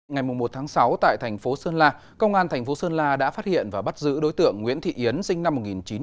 ngày một sáu tại thành phố sơn la công an thành phố sơn la đã phát hiện và bắt giữ đối tượng nguyễn thị yến sinh năm một nghìn chín trăm tám mươi